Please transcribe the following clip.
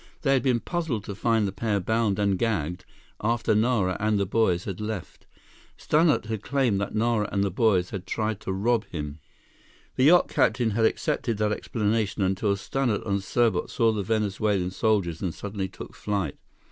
They had been puzzled to find the pair bound and gagged after Nara and the boys had left. Stannart had claimed that Nara and the boys had tried to rob him. The yacht captain had accepted that explanation until Stannart and Serbot saw the Venezuelan soldiers and suddenly took flight.